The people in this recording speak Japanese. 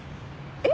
えっ？